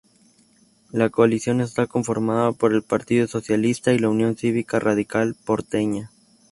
La coalición esta conformada por el Partido Socialista y la Unión Cívica Radical porteña.